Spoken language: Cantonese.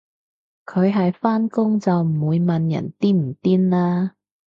佢係返工就唔會問人癲唔癲啦